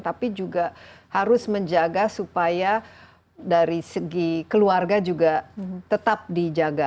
tapi juga harus menjaga supaya dari segi keluarga juga tetap dijaga